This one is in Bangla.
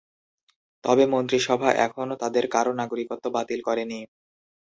তবে মন্ত্রীসভা এখনো তাদের কারো নাগরিকত্ব বাতিল করেনি।